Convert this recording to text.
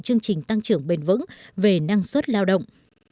chương trình tăng trưởng bền vững về năng suất lao động